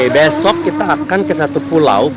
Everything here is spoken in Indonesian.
besok kita akan ke satu pulau